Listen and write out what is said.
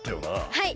はい。